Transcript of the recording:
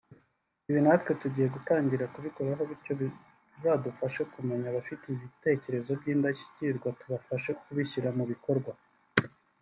Ibi natwe tugiye gutangira kubikora bityo bizadufashe kumenya abafite ibitekerezo by’indashyikirwa tubafashe kubishyira mu bikorwa